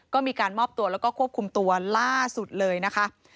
ก็มีการมอบตัวแล้วก็ควบคุมตัวล่าสุดเลยนะคะ